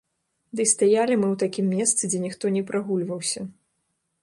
Дый стаялі мы ў такім месцы, дзе ніхто не прагульваўся.